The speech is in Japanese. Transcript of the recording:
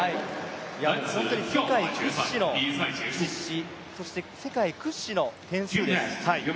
本当に世界屈指の実施そして世界屈指の点数です。